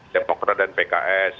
depokra dan pki